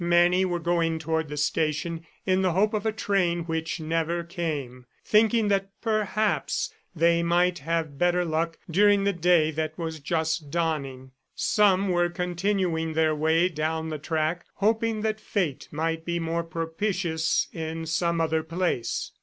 Many were going toward the station in the hope of a train which never came, thinking that, perhaps, they might have better luck during the day that was just dawning. Some were continuing their way down the track, hoping that fate might be more propitious in some other place.